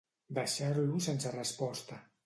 Deixar-lo sense resposta.